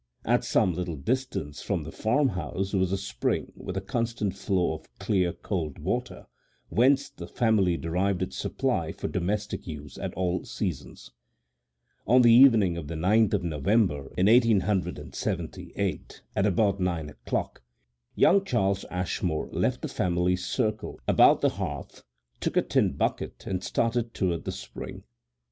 At some little distance from the farmhouse was a spring with a constant flow of clear, cold water, whence the family derived its supply for domestic use at all seasons. On the evening of the 9th of November in 1878, at about nine oŌĆÖclock, young Charles Ashmore left the family circle about the hearth, took a tin bucket and started toward the spring.